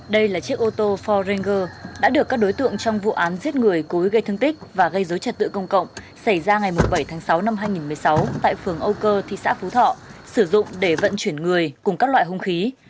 đây là chiếc ô tô forrenger đã được các đối tượng trong vụ án giết người cố ý gây thương tích và gây dối trật tự công cộng xảy ra ngày bảy tháng sáu năm hai nghìn một mươi sáu tại phường âu cơ thị xã phú thọ sử dụng để vận chuyển người cùng các loại hung khí